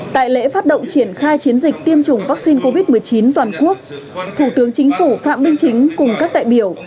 tại lễ phát động triển khai chiến dịch tiêm chủng vaccine covid một mươi chín toàn quốc thủ tướng chính phủ phạm minh chính cùng các đại biểu